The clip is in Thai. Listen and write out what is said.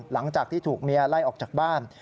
หลังจากที่ถูกเมียไล่ออกจากบ้าน